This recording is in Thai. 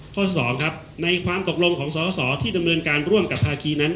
ข้อ๒ครับในความตกลงของสอสอที่ดำเนินการร่วมกับภาคีนั้น